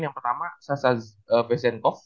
yang pertama sasha bezenkov